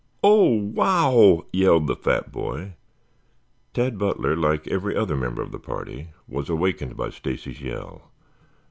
"Oh, wow!" yelled the fat boy. Tad Butler, like every other member of the party, was awakened by Stacy's yell.